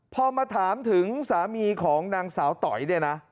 พอมาถามถึงสามีของนางสาวต่อยเนี่ยนะ